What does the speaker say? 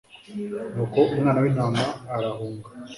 nuko umwana w'intama urahunga.